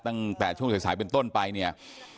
ตั้งแต่ช่วงสายเป็นต้นไปเนี่ย